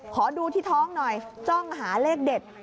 ขอดูที่ท้องหน่อยจ้องหาเลขเด็ด